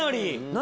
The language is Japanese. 何？